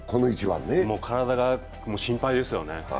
体が心配ですよね。